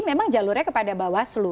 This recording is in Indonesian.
memang jalurnya kepada bawaslu